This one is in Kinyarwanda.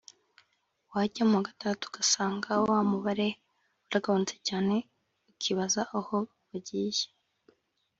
wajya mu wa gatandatu ugasanga wa mubare waragabanutse cyane ukibaza aho bagiye